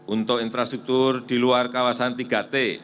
untuk infrastruktur di luar kawasan tiga t